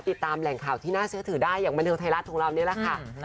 ติดตามแหล่งข่าวที่น่าเชื่อถือได้อย่างบันเทิงไทยรัฐของเรานี่แหละค่ะ